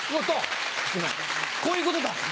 こういうことだ！